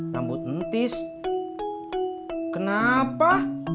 rambut tis kenapa